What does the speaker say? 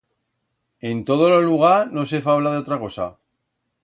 En todo lo lugar no se fabla d'otra cosa.